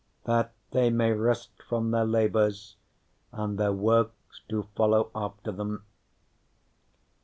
_That they may rest from their labors, and their works do follow after them.